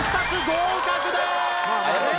合格です！